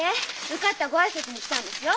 受かったご挨拶に来たんですよ。